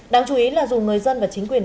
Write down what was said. đáng chú ý là dù người dân và chính quyền